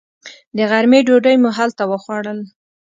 د غرمې ډوډۍ مو هلته وخوړل.